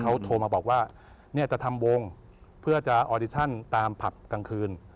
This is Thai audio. เขาโทรมาบอกว่าเนี่ยจะทำวงเพื่อจะออดิชั่นตามผับกลางคืน